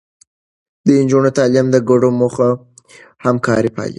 د نجونو تعليم د ګډو موخو همکاري پالي.